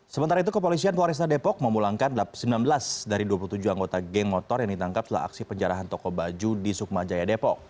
sementara itu kepolisian polresta depok memulangkan sembilan belas dari dua puluh tujuh anggota geng motor yang ditangkap setelah aksi penjarahan toko baju di sukma jaya depok